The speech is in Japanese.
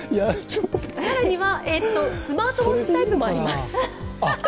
更には、スマートウォッチタイプもあります。